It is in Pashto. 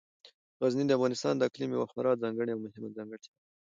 غزني د افغانستان د اقلیم یوه خورا ځانګړې او مهمه ځانګړتیا ده.